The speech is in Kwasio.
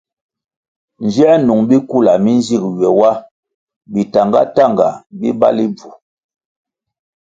Nziē nung bikula mi nzig ywe wa bi tahnga- tahnga bi bali bvu.